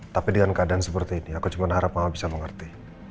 tapi dengan keadaan seperti ini aku cuma harap maha bisa mengerti